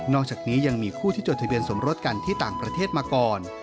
อกจากนี้ยังมีคู่ที่จดทะเบียนสมรสกันที่ต่างประเทศมาก่อน